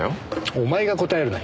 お前が答えるなよ！